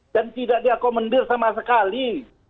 dan tidak diakomendir sama sekali